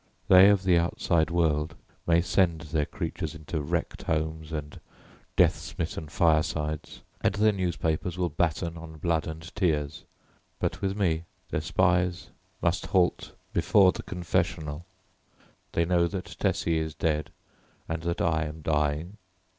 They of the outside world may send their creatures into wrecked homes and death smitten firesides, and their newspapers will batten on blood and tears, but with me their spies must halt before the confessional. They know that Tessie is dead and that I am dying.